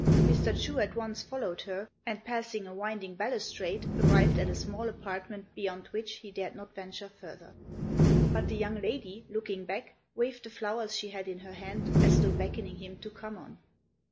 Mr. Chu at once followed her, and passing a winding balustrade arrived at a small apartment beyond which he dared not venture further. But the young lady, looking back, waved the flowers she had in her hand as though beckoning him to come on.